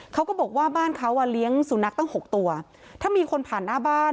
เขาก็บอกว่าบ้านเขาอ่ะเลี้ยงสุนัขตั้งหกตัวถ้ามีคนผ่านหน้าบ้าน